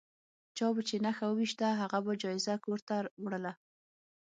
چا به چې نښه وویشته هغه به جایزه کور ته وړله.